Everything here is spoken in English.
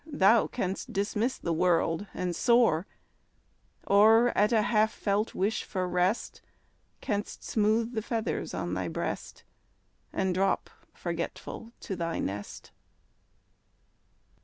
Thou canst dismiss the world and soar, Or, at a half felt wish for rest. Canst smooth the feathers on thy breast, And drop, forgetful, to thy nest.